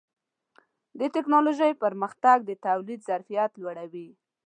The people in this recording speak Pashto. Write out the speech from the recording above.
د ټکنالوجۍ پرمختګ د تولید ظرفیت لوړوي.